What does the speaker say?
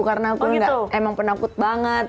karena aku emang penakut banget